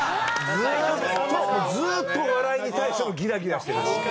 ずーっとお笑いに対してギラギラしてる。